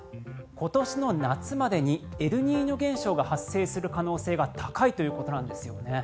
今年の夏までにエルニーニョ現象が発生する可能性が高いということなんです。